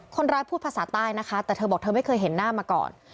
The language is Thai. พูดภาษาใต้นะคะแต่เธอบอกเธอไม่เคยเห็นหน้ามาก่อน